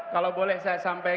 jawa timur siapa